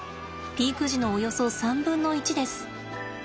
ピーク時のおよそ３分の１です。